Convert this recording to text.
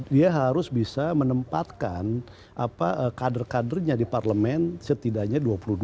dia harus bisa menempatkan kader kadernya di parlemen setidaknya dua puluh dua